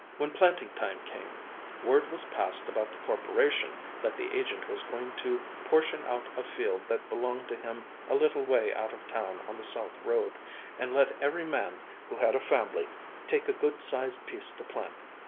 When planting time came, word was passed about the Corporation that the agent was going to portion out a field that belonged to him a little way out of town on the South road, and let every man who had a family take a good sized piece to plant.